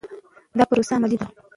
دا پروسه علمي ده.